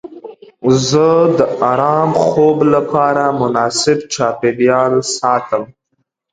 زه د ارام خوب لپاره مناسب چاپیریال ساتم.